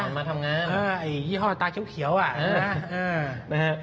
มาทำงานยี่ห้อตาเขียวอ่ะนะฮะ